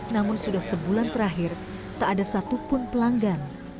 namun sudah sebulan terakhir tak ada satupun pelanggan